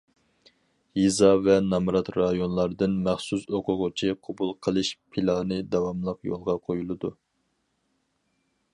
يېزا ۋە نامرات رايونلاردىن مەخسۇس ئوقۇغۇچى قوبۇل قىلىش پىلانى داۋاملىق يولغا قويۇلىدۇ.